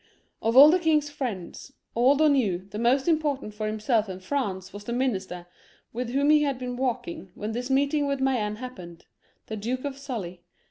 Of aU the king's friends, old or new, the most im portant for himself and France was the minister with whom he had been walking when this meeting with May 308 HENRY IV, [CH. enne happened, the Duke of Sully.